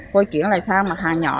cô chuyển lại sang mà thành hằng nhỏ